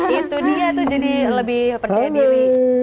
itu dia tuh jadi lebih percaya diri